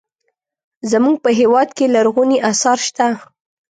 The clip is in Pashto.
زموږ په هېواد کې لرغوني اثار شته.